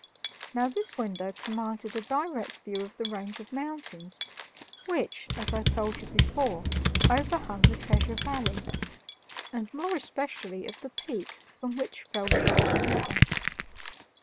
Now this window commanded a direct view of the range of mountains which, as I told you before, overhung the Treasure Valley, and more especially of the peak from which fell the Golden River.